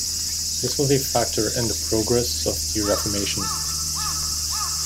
This was a factor in the progress of the Reformation.